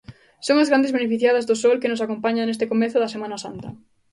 Son as grandes beneficiadas do sol que nos acompaña neste comezo da Semana Santa.